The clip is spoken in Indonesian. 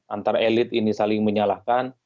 antara elit ini saling menyalahkan